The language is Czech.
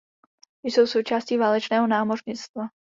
Jsou součástí válečného námořnictva.